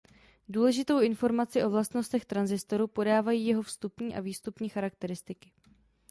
Důležitou informaci o vlastnostech tranzistoru podávají jeho vstupní a výstupní charakteristiky.